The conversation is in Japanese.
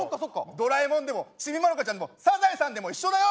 「ドラえもん」でも「ちびまる子ちゃん」でも「サザエさん」でも一緒だよ！